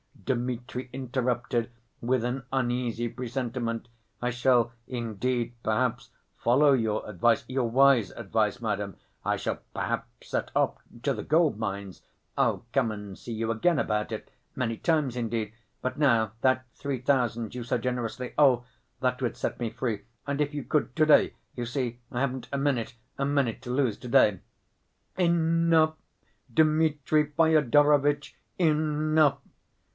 Dmitri interrupted with an uneasy presentiment. "I shall indeed, perhaps, follow your advice, your wise advice, madam.... I shall perhaps set off ... to the gold‐mines.... I'll come and see you again about it ... many times, indeed ... but now, that three thousand you so generously ... oh, that would set me free, and if you could to‐day ... you see, I haven't a minute, a minute to lose to‐day—" "Enough, Dmitri Fyodorovitch, enough!"